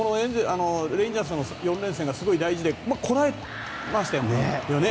レンジャーズとの４連戦がすごく大事でこらえましたよね。